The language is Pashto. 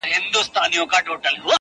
خو پاچا تېر له عالمه له پېغور وو،